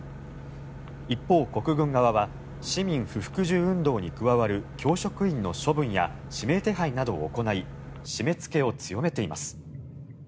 一方、国軍側は市民不服従運動に加わる教職員の処分や指名手配などを行い締めつけを強めています。